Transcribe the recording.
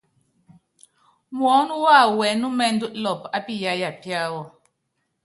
Muɔ́nɔ́ wawɔ wɛnúmɛndú lɔɔpɔ á piyáya piáwɔ.